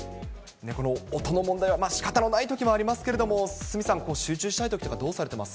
この音の問題は、しかたのないときもありますけれども、鷲見さん、集中したいときとかどうされてます？